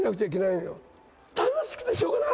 だめ、楽しくてしょうがない！